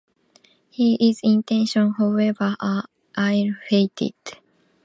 His intentions, however, are ill-fated.